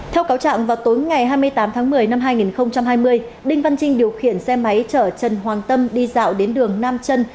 theo cáo trạng vào tối ngày hai mươi tám tháng một mươi năm hai nghìn hai mươi đinh văn trinh điều khiển xe máy chở trần hoàng tâm đi dạo đến đường nam trân